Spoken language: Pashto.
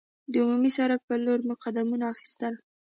د عمومي سړک پر لور مو قدمونه اخیستل.